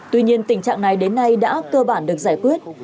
tuy nhiên tình trạng này đến nay đã cơ bản được giải quyết